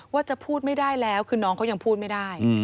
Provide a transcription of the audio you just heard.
ว่าจะพูดไม่ได้แล้วคือน้องเขายังพูดไม่ได้